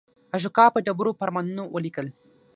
اشوکا په ډبرو فرمانونه ولیکل.